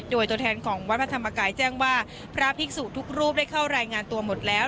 โดยตัวแทนของวัดพระธรรมกายแจ้งว่าพระภิกษุทุกรูปได้เข้ารายงานตัวหมดแล้ว